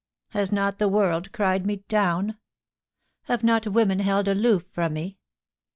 Has not the world cried me down ?... Have not women held aloof from me?